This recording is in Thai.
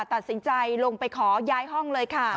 ตัดสินใจลงไปขอย้ายห้องเลยค่ะ